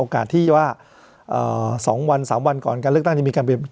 โอกาสที่ว่าเอ่อสองวันสามวันก่อนการเลือกตั้งจะมีการเปลี่ยน